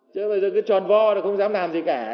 chứ bây giờ cứ tròn vo là không dám làm gì cả